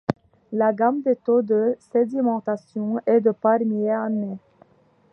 La gamme des taux de sédimentation est de par millier d’années.